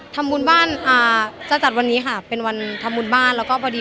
ทำบุญบ้านอ่าจะจัดวันนี้ค่ะเป็นวันทำบุญบ้านแล้วก็พอดี